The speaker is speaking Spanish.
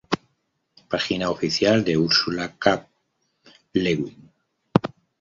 Página oficial de Ursula K. Le Guin